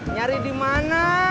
nyari di mana